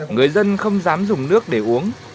người dân không dám dùng nước để uống